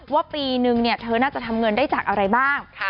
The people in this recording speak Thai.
ว่าปีนึงเธอน่าจะทำเงินได้จากอะไรบ้าง